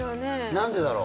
何でだろう？